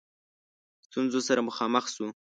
ستونزو سره مخامخ شو.